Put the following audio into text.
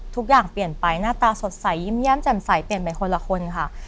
ทุกอย่างเปลี่ยนไปหน้าตาสดใสยิ้มแย้มแจ่มใสเปลี่ยนไปคนละคนค่ะ